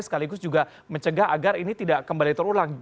sekaligus juga mencegah agar ini tidak kembali terulang